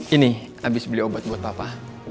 ini habis beli obat buat papa